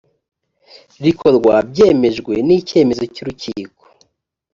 rikorwa byemejwe n icyemezo cy urukiko